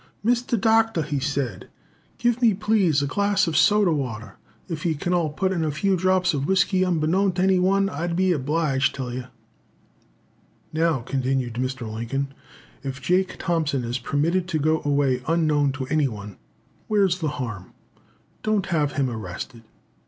'Misther Doctor,' he said, 'give me, plase, a glass ov soda wather and if ye can put in a few drops of whiskey unbeknown to anyone, I'll be obleeged till yees.' Now," continued Mr. Lincoln, "if Jake Thompson is permitted to go away unknown to anyone, where's the harm? Don't have him arrested."